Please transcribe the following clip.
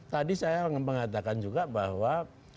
tadi saya mengatakan juga bahwa